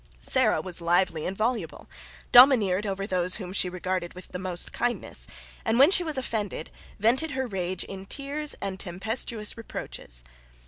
Sarah was lively and voluble, domineered over those whom she regarded with most kindness, and, when she was offended, vented her rage in tears and tempestuous reproaches.